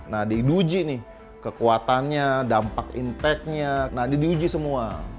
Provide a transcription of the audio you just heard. nah di uji nih kekuatannya dampak impact nya nah di uji semua